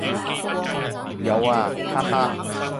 有啊，哈哈